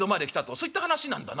そういった話なんだな」。